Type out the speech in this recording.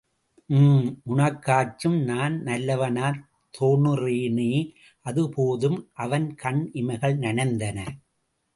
ம்... உனக்காச்சும் நான் நல்லவனாத் தோணுறேனே, அது போதும்! அவன் கண் இமைகள் நனைந்தன.